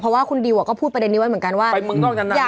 เพราะว่าคุณดิวก็พูดประเด็นนี้ไว้เหมือนกันว่าไปเมืองนอกนั้น